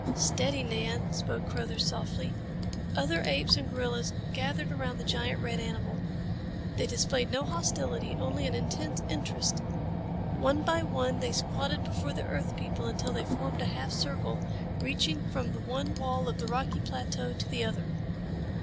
"Steady, Nan," spoke Carruthers softly. Other apes and gorillas gathered around the giant red animal. They displayed no hostility, only an intense interest. One by one they squatted before the earth people until they formed a half circle, reaching from the one wall of the rocky plateau to the other.